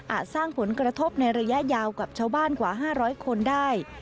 สร้างผลกระทบในระยะยาวกับชาวบ้านกว่า๕๐๐คนได้